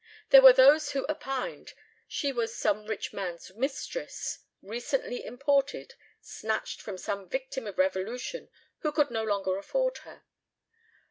There were those who opined she was some rich man's mistress, recently imported, snatched from some victim of revolution who could no longer afford her.